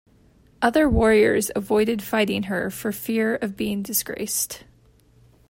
Other warriors avoided fighting her for fear of being disgraced.